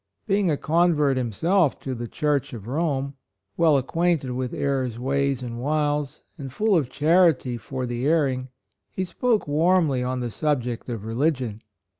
Being a convert himself to the Church of Rome — well acquainted with error's ways and wiles, and full of charity for the erring, he spoke warmly on the subject of religion.